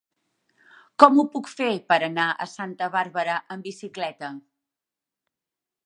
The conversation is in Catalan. Com ho puc fer per anar a Santa Bàrbara amb bicicleta?